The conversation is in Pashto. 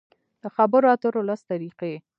د خبرو اترو لس طریقې: